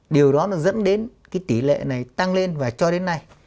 điều đó nó dẫn đến cái tỷ lệ này tăng lên và cho đến nay